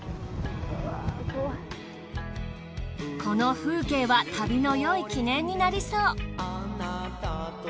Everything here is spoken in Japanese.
この風景は旅のよい記念になりそう。